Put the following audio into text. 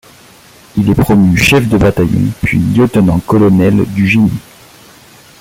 Il est promu chef de bataillon, puis lieutenant-colonel du Génie.